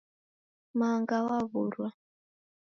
Manga wawurwa